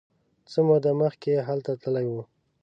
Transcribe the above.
څه موده مخکې هلته تللی و.